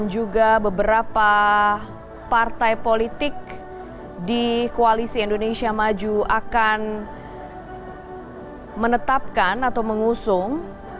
dan juga beberapa partai politik di koalisi indonesia maju akan menetapkan atau mengusung